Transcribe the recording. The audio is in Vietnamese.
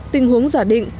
tình huống giả định